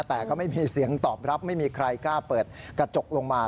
แต่ก็ไม่มีเสียงตอบรับไม่มีใครกล้าเปิดกระจกลงมา